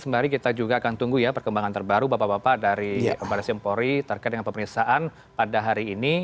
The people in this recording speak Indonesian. sembari kita juga akan tunggu ya perkembangan terbaru bapak bapak dari baris empori terkait dengan pemeriksaan pada hari ini